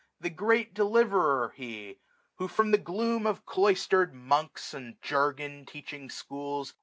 The great deliverer he ! who from the gloom Of cloister'd monks, and jargon teaching schools.